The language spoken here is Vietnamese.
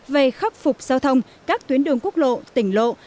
về khắc phục giao thông các tuyến đường quốc lộ tỉnh lộ